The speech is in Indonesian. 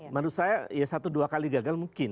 menurut saya ya satu dua kali gagal mungkin